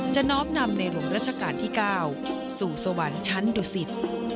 น้อมนำในหลวงรัชกาลที่๙สู่สวรรค์ชั้นดุสิต